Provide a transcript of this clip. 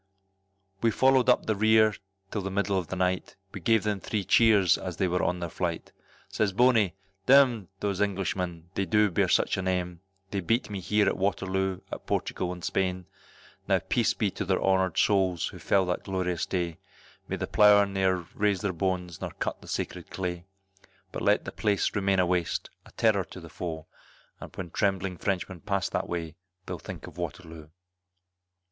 We followed up the rear till the middle of the night, We gave them three cheers as they were on their flight, Says Bony, d m those Englishmen, they do bear such a name, They beat me here at Waterloo, at Portugal and Spain. Now peace be to their honoured souls who fell that glorious day, May the plough ne'er raise their bones nor cut the sacred clay, But let the place remain a waste, a terror to the foe, And when trembling Frenchmen pass that way they'll think of Waterloo.